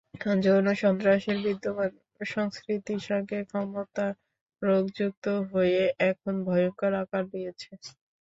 যৌনসন্ত্রাসের বিদ্যমান সংস্কৃতির সঙ্গে ক্ষমতারোগ যুক্ত হয়ে এখন ভয়ংকর আকার নিয়েছে।